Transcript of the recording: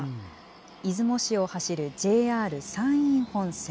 出雲市を走るＪＲ山陰本線。